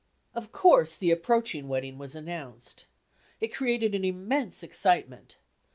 Of course the approaching wedding was announced. It created an immense excitement.